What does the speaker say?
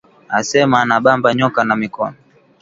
Asema ana bamba nyoka na mikono